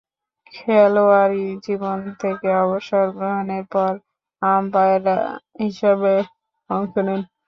খেলোয়াড়ী জীবন থেকে অবসর গ্রহণের পর আম্পায়ার হিসেবে অংশ নেন।